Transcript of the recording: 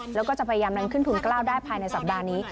แล้วก็จะพยายามดันขึ้นทุนกล้าวได้ภายในสัปดาห์นี้